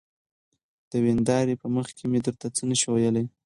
د ويندارې په مخکې مې درته څه نشوى ويلى.